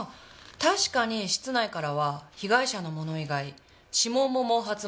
確かに室内からは被害者のもの以外指紋も毛髪も発見されませんでした。